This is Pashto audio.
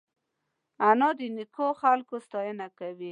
انا د نیکو خلکو ستاینه کوي